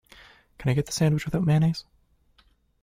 Can I get the sandwich without mayonnaise?